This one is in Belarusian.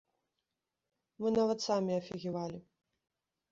Мы нават самі афігевалі.